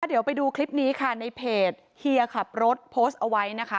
เดี๋ยวไปดูคลิปนี้ค่ะในเพจเฮียขับรถโพสต์เอาไว้นะคะ